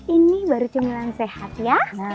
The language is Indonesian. ini baru cemilan sehat ya